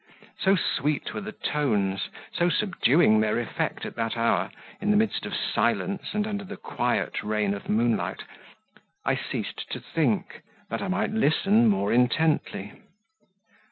So sweet were the tones, so subduing their effect at that hour, in the midst of silence and under the quiet reign of moonlight, I ceased to think, that I might listen more intently.